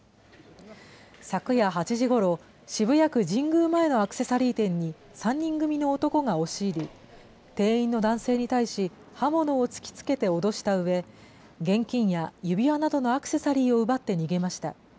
昨夜８時ごろ、渋谷区神宮前のアクセサリー店に、３人組の男が押し入り、店員の男性に対し、刃物を突きつけて脅したうえ、現金や指輪などのアクセサリーを奪って逃げました。